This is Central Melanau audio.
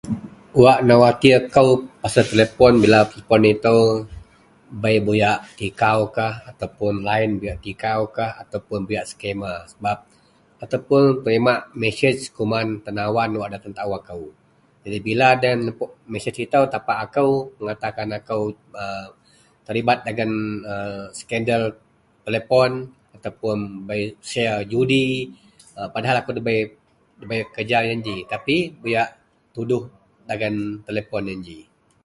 Wak na khuatir kou pasel telepon bila telepon ito bei buyak tikaukah atau line buyak tikaukah atau buyak scammer sebab atau puon menerimak mesej kuman tenawan da kena akou bila mesej ito tapak mengatakan akou terlibat dagen skandal telepon atau share judi pada hal ako dabei tapi buyak ditiudoh dagen telepon geji.